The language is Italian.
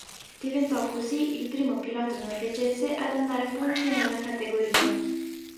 Diventò così il primo pilota norvegese ad andare a punti nella categoria.